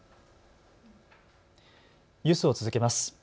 ニュースを続けます。